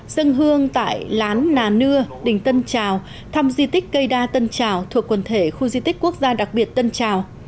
dân hương tại lán nà nưa đình tân trào thăm di tích cây đa tân trào thuộc quần thể khu di tích quốc gia đặc biệt tân trào